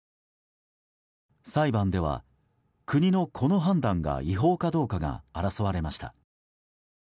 裁判では、国のこの判断が違法かどうかが争われました。